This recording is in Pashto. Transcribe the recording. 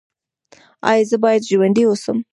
ایا زه باید ژوندی اوسم؟